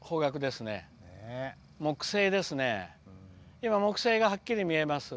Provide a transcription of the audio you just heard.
今、木星がはっきり見えます。